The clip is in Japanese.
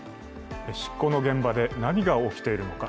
執行の現場で何が起きているのか。